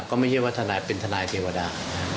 ก็ไม่ใช่ว่าทนายเป็นทนายเทวดา